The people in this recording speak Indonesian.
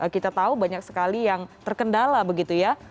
kita tahu banyak sekali yang terkendala begitu ya